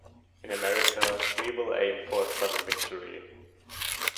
In America we will aim for subtle victory.